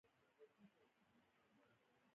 د باران سره د خوييدلو نسبت